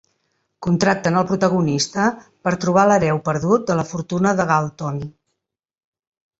Contracten el protagonista per trobar l'hereu perdut de la fortuna de Galton.